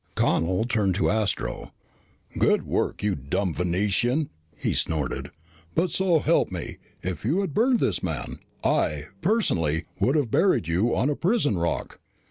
Connel turned to Astro. "Good work, you dumb Venusian," he snorted. "But so help me, if you had burned this man, I, personally, would've buried you on a prison rock."